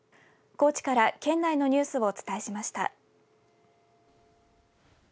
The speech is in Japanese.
高知から県内のニュースをお伝えしました。